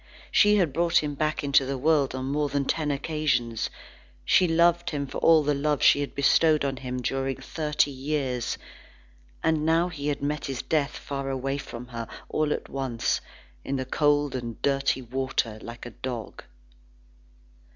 She had brought him back into the world on more than ten occasions; she loved him for all the love she had bestowed on him during thirty years. And now he had met his death far away from her, all at once, in the cold and dirty water, like a dog.